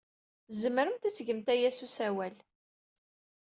Tzemremt ad tgemt aya s usawal.